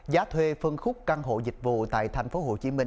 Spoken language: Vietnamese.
giá thuê phân khúc căn hộ dịch vụ tại tp hcm